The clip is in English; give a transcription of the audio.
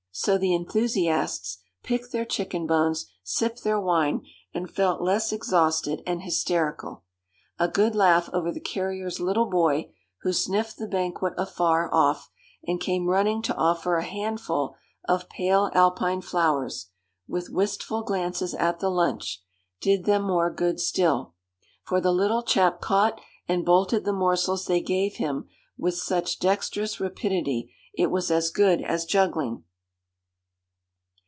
So the enthusiasts picked their chicken bones, sipped their wine, and felt less exhausted and hysterical. A good laugh over the carrier's little boy, who sniffed the banquet afar off, and came running to offer a handful of pale Alpine flowers, with wistful glances at the lunch, did them more good still: for the little chap caught and bolted the morsels they gave him with such dexterous rapidity, it was as good as juggling.